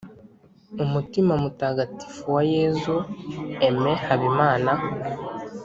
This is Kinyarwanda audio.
’umutima mutagatifu wa yezu aimé habimana